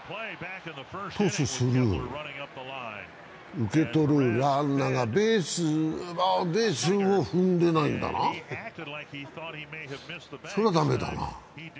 トスする、受け取る、ランナーがベースを踏んでないんだ、それは駄目だな。